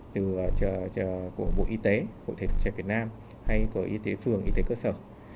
từ bộ y tế bộ thể thuật trẻ việt nam hay của y tế phường y tế cơ sở